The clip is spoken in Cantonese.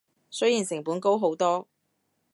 雖然成本高好多